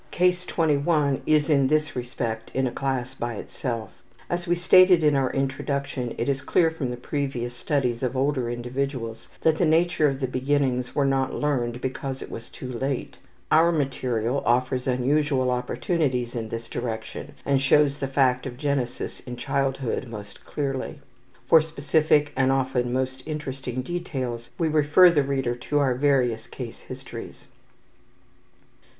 (Case 21 is in this respect in a class by itself.) As we stated in our introduction, it is clear from the previous studies of older individuals that the nature of the beginnings were not learned because it was too late. Our material offers unusual opportunities in this direction and shows the fact of genesis in childhood most clearly. For specific and often most interesting details we refer the reader to our various case histories.